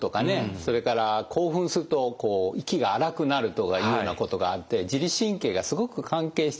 それから興奮すると息が荒くなるとかいうことがあって自律神経がすごく関係してるわけですね。